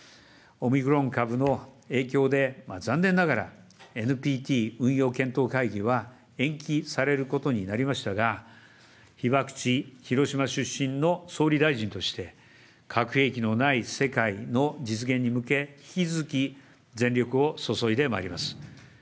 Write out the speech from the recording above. オミクロン株の影響で残念ながら、ＮＰＴ運用検討会議は延期されることになりましたが、被爆地、広島出身の総理大臣として、核兵器のない世界の実現に向け、引き続き全力を注いでまいります。